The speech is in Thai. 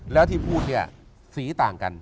แล้วที่พูดเนี่ยสีต่างกัน